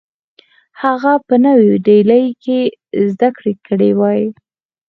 هغه په نوې ډیلي کې زدکړې کړې وې